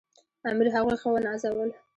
امیر هغوی ښه ونازول.